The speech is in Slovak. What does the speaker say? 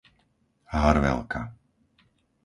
Harvelka